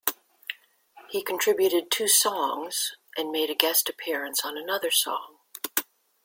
He contributed two songs, and made a guest appearance on another song.